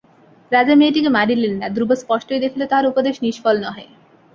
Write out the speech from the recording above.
রাজা মেয়েটিকে মারিলেন না, ধ্রুব স্পষ্টই দেখিল তাহার উপদেশ নিষ্ফল নহে।